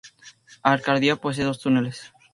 Arcadia posee dos túneles.